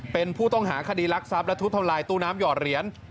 เป็นผู้ต้องหาคดีรักทรัพย์และทุบทำลายตู้น้ำหอดเหรียญ